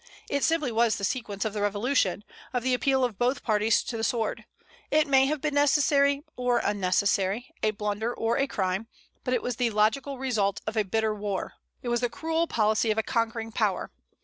It simply was the sequence of the revolution, of the appeal of both parties to the sword. It may have been necessary or unnecessary, a blunder or a crime, but it was the logical result of a bitter war; it was the cruel policy of a conquering power.